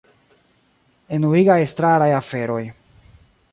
Enuigaj estraraj aferoj